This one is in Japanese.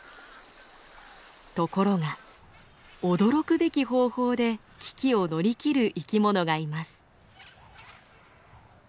ところが驚くべき方法で危機を乗り切る生き物がいます。